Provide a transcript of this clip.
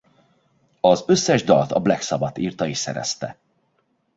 Az összes dalt a Black Sabbath írta és szerezte.